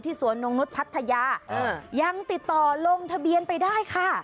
สวนนงนุษย์พัทยายังติดต่อลงทะเบียนไปได้ค่ะ